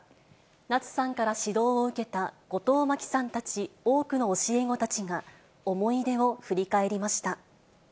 夏さんから指導を受けた後藤真希さんたち多くの教え子たちが、思い出を振り返りました。